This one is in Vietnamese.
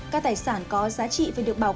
các tài sản có giá trị phải được bảo vệ